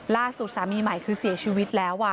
สามีใหม่คือเสียชีวิตแล้ว